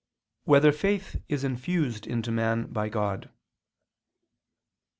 1] Whether Faith Is Infused into Man by God?